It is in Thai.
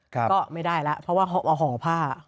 ก็ไม่ได้แล้วเพราะว่าเขาเอาห่อผ้า